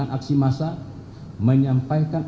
agar melaksanakan aksi massa yang dapat menyebabkan